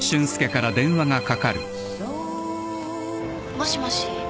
もしもし？